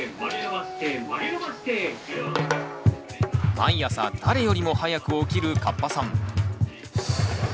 毎朝誰よりも早く起きるカッパさん。